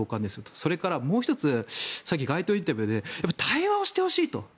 それからもう１つさっき、街頭インタビューで対話をしてほしいと。